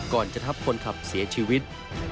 ก่อนจะทับคนขับเสียชีวิต